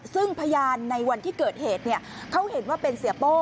ซึ่งพยานในวันที่เกิดเหตุเขาเห็นว่าเป็นเสียโป้